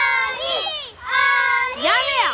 やめや！